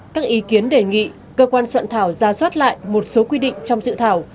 các ý kiến đề nghị cơ quan soạn thảo ra soát lại một số quy định trong dự thảo